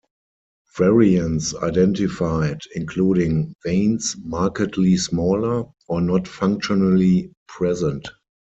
Variants identified including veins markedly smaller, or not functionally present.